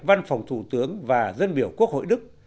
văn phòng thủ tướng và dân biểu quốc hội đức